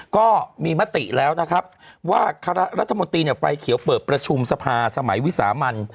ก็มีมติแล้วนะครับว่าคณะรัฐมนตรีเนี่ยไฟเขียวเปิดประชุมสภาสมัยวิสามัน